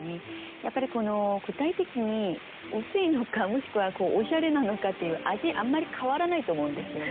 やっぱり具体的に薄いのかもしくはおしゃれなのかっていう味あんまり変わらないと思うんですよね。